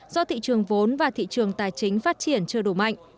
do thị trường vốn và thị trường tài chính phát triển chưa đủ mạnh